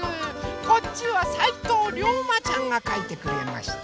こっちはさいとうりょうまちゃんがかいてくれました。